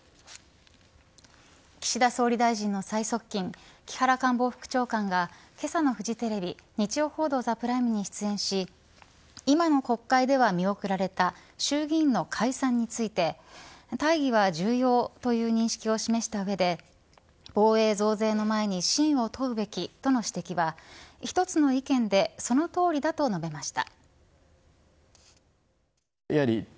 岸田総理大臣の最側近木原官房副長官がけさのフジテレビ日曜報道ＴＨＥＰＲＩＭＥに出演し今の国会では見送られた衆議院の解散について大義は重要との認識を示した上で防衛増税の前に信を問うべきとの指摘は一つの意見でそのとおりだと述べました。